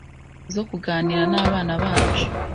zo kuganira n'abana bacu